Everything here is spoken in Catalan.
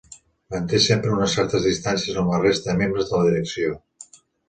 Manté sempre unes certes distàncies amb la resta de membres de la direcció.